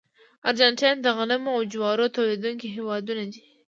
ارجنټاین د غنمو او جوارو تولیدونکي هېوادونه دي.